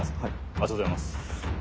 ありがとうございます。